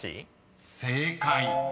［正解！